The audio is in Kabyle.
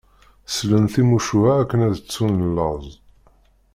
Sellen timucuha akken ad ttun laẓ.